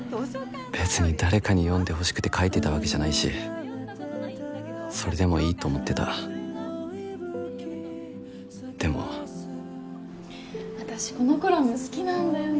別に誰かに読んでほしくて書いてたわけじゃないしそれでもいいと思ってたでも私このコラム好きなんだよね